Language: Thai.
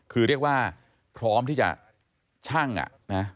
คือเรียกว่าพร้อมที่จะชั่งอ่ะนะ